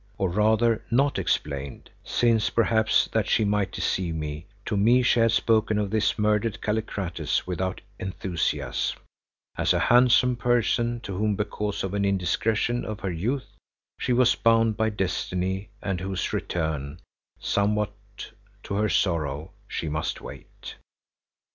Or rather not explained, since, perhaps that she might deceive, to me she had spoken of this murdered Kallikrates without enthusiasm, as a handsome person to whom, because of an indiscretion of her youth, she was bound by destiny and whose return—somewhat to her sorrow—she must wait.